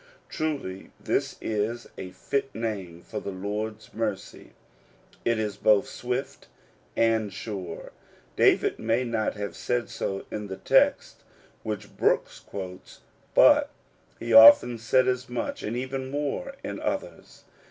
Truly this is a fit name for the Lord*s mercy : it is both swift and sure. David may not have said so in the text which Brooks quotes, but he often said as much and even more in others.